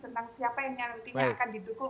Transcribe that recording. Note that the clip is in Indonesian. tentang siapa yang nantinya akan didukung